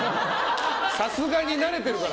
さすがに慣れてるから。